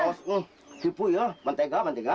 aduh ibu ya mentega mentega